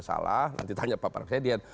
salah nanti tanya pak presiden